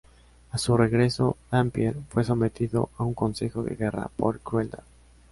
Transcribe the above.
A su regreso Dampier fue sometido a un consejo de guerra por crueldad.